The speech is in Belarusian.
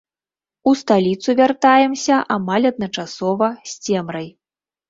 У сталіцу вяртаемся амаль адначасова з цемрай.